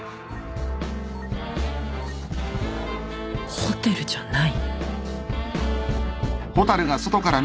ホテルじゃない